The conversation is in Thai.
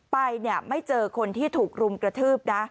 ไปไม่เจอคนที่ถูกรุมกระทืบนะ